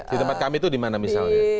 di tempat kami itu dimana misalnya